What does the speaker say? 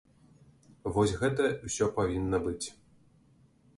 Вось гэта ўсё павінна быць.